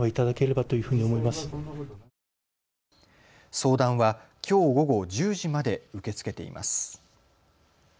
相談は、きょう午後１０時まで受け付けています。